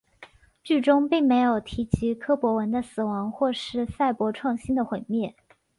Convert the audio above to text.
剧中并没有提及柯博文的死亡或是赛博创星的毁灭。